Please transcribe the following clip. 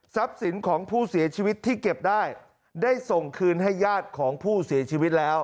สินของผู้เสียชีวิตที่เก็บได้ได้ส่งคืนให้ญาติของผู้เสียชีวิตแล้ว